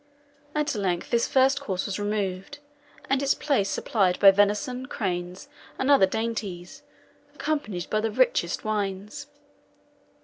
At length this first course was removed, and its place supplied by venison, cranes, and other dainties, accompanied by the richest wines.